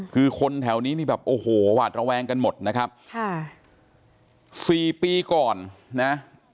คือคนแถวนี้นี่แบบโอ้โหหวาดระแวงกันหมดนะครับค่ะสี่ปีก่อนนะ